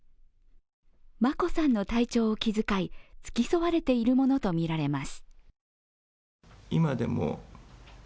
眞子さんの体調を気遣い、付き添われているものとみられます。